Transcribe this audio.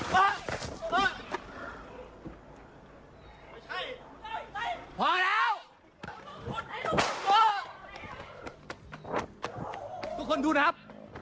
พอแล้วทุกคนดูนะครับ